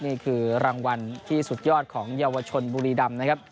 นี่คือรางวัลที่สุดยอดของเยาวชนบุรีดำนะครับ